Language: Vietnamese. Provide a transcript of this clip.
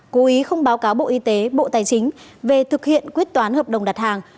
cố ý không báo cáo bộ y tế bộ tài chính về thực hiện quyết toán hợp đồng đặt hàng